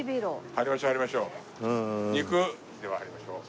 入りましょう入りましょう。